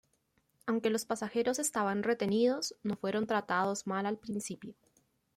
Aunque los pasajeros estaban retenidos, no fueron tratados mal al principio.